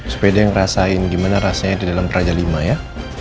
supaya dia ngerasain gimana rasanya di dalam kerajaan lima ya